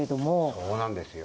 そうなんですよ。